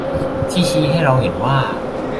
ที่ชี้ให้เราเห็นว่า